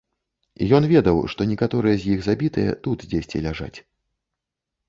Ён ведаў, што некаторыя з іх забітыя тут дзесьці ляжаць.